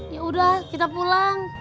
yaudah kita pulang